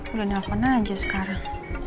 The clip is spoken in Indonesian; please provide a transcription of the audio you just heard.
udah nelfon aja sekarang